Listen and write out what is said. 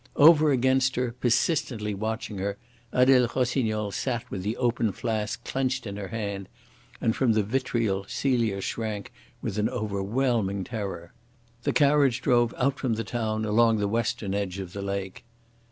Over against her, persistently watching her, Adele Rossignol sat with the open flask clenched in her hand, and from the vitriol Celia shrank with an overwhelming terror. The carriage drove out from the town along the western edge of the lake.